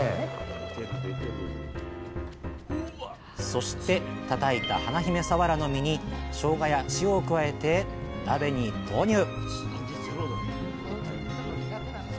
そしてたたいた華姫さわらの身にしょうがや塩を加えて鍋に投入！